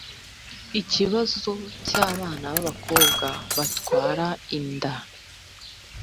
ikibazo cy abana b abakobwa batwara inda